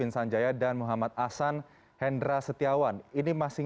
selamat sore kabar baik